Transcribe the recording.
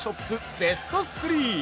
ベスト３！